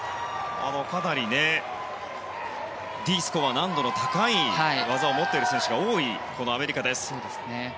かなりＤスコア難度の高い技を持っている選手が多いアメリカです。